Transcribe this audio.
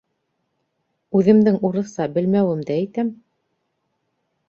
Үҙемдең урыҫса белмәүемде әйтәм...